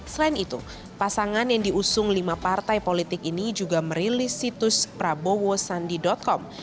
selain itu pasangan yang diusung lima partai politik ini juga merilis situs prabowosandi com